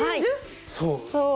そう。